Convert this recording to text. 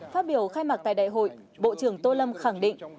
phát biểu khai mạc tại đại hội bộ trưởng tô lâm khẳng định